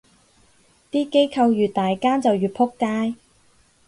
啲機構越大間就越仆街